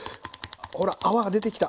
ほら泡が出てきた！